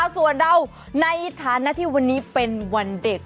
ส่วนเราในฐานะที่วันนี้เป็นวันเด็ก